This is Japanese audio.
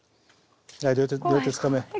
はい両手つかめ。